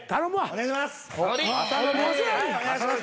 お願いします。